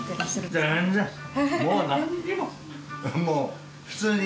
もう普通に。